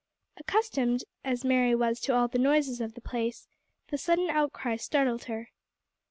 Accustomed as Mary was to all the noises of the place, the sudden outcry startled her.